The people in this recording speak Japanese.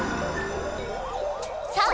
さあ！